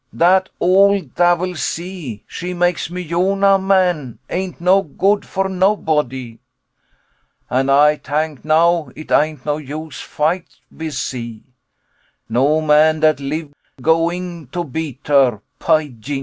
Dat ole davil, sea, she make me Yonah man ain't no good for nobody. And Ay tank now it ain't no use fight with sea. No man dat live going to beat her, py yingo!